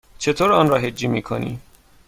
چطور آن را هجی می کنی؟